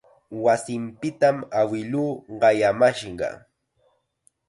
Wasinpitam awiluu qayamashqa.